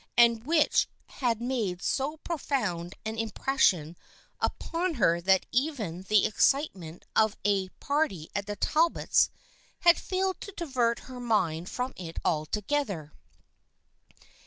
and which had made so profound an im pression upon her that even the excitement of a THE FRIENDSHIP OF ANNE 205 party at the Talbots' had failed to divert her mind from it altogether.